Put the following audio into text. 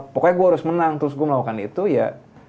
pokoknya gue harus menang terus gue melakukan itu ya